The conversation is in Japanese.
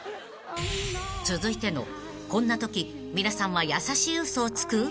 ［続いてのこんなとき皆さんは優しい嘘をつく？］